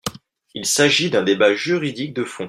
Il s’agit d’un débat juridique de fond.